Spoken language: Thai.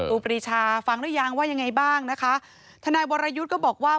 ปรีชาฟังหรือยังว่ายังไงบ้างนะคะทนายวรยุทธ์ก็บอกว่า